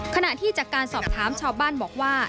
ขณะที่จากการสอบถามชาวบ้านบอกว่า